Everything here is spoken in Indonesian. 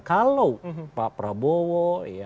kalau pak prabowo